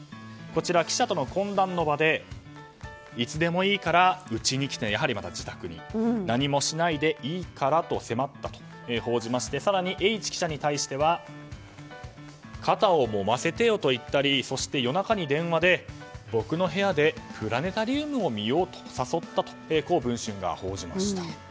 こちらは記者との懇談の場でいつでもいいからうちに来てね何もしないでいいからと迫ったと報じまして更にＨ記者に対しては肩をもませてよと言ったり夜中に電話で僕の部屋でプラネタリウムを見ようと誘ったとこう「文春」が報じました。